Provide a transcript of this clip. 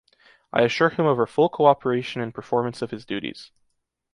I assure him of our full cooperation in performance of his duties.